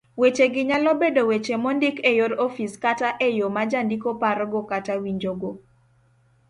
Wechegi nyalo bedo weche mondik eyor ofis kata eyo majandiko parogo kata winjogo